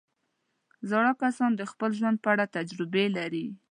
زاړه کسان د خپل ژوند په اړه تجربې لري